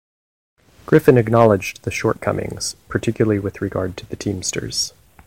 Griffin acknowledged the shortcomings, particularly with regard to the Teamsters.